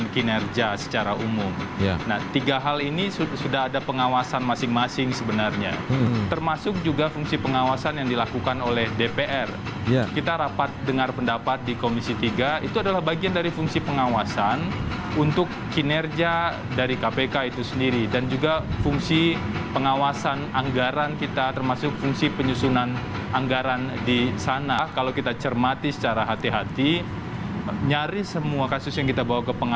dibandingkan dengan upaya mendorong kemampuan penyelidikan penyelidikan dan penuntutan kpk sama sekali tidak berpedoman pada kuhab dan mengabaikan